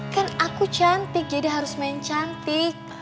kan aku cantik jadi harus main cantik